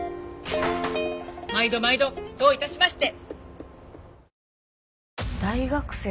毎度毎度どういたしまして！